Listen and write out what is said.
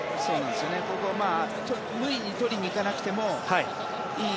ここ、無理に取りに行かなくてもいい。